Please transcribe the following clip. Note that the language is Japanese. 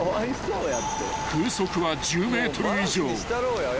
［風速は１０メートル以上］